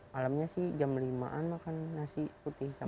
malemnya sih jam limaan makan nasi putih sama ayam